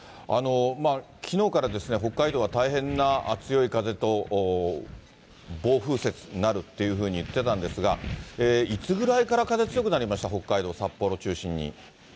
きのうから北海道は大変な強い風と、暴風雪になるっていうふうに言ってたんですが、いつぐらいから風強くなりました？